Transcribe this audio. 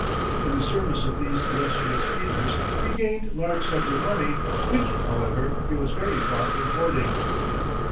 In the service of these illustrious eaters he gained large sums of money, which, however, he was very far from hoarding.